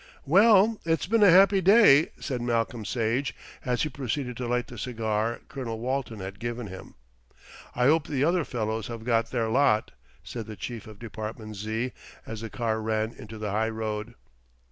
"Well, it's been a happy day," said Malcolm Sage, as he proceeded to light the cigar Colonel Walton had given him. "I hope the other fellows have got their lot," said the Chief of Department Z., as the car ran into the High Road.